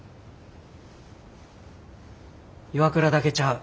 岩倉だけちゃう。